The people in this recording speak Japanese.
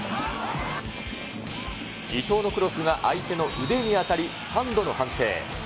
伊東のクロスが相手の腕に当たり、ハンドの判定。